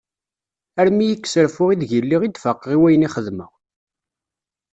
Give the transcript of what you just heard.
Arm iyi-ikkes reffu i deg lliɣ i d-faqeɣ i wayen i xedmeɣ.